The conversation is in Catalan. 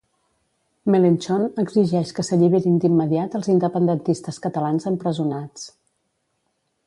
Mélenchon exigeix que s'alliberin d'immediat els independentistes catalans empresonats.